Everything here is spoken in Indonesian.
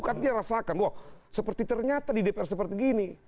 kan dia rasakan wah seperti ternyata di dpr seperti gini